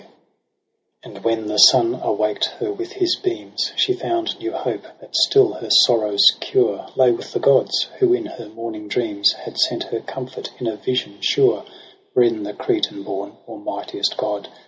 M 2. i(f4 EROS e^ PSYCHE i8 And when the sun awaked her with his beams She found new hope, that still her sorrow's cure Lay with the gods, who in her morning dreams Had sent her comfort in a vision sure ; Wherein the Cretan born, almightiest god.